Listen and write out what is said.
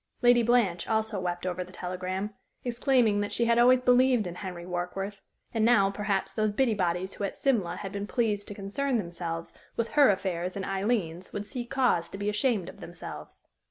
Lady Blanche also wept over the telegram, exclaiming that she had always believed in Henry Warkworth, and now, perhaps, those busybodies who at Simla had been pleased to concern themselves with her affairs and Aileen's would see cause to be ashamed of themselves.